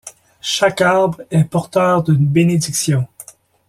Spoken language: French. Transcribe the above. Chaque arbre est porteur d’une bénédiction.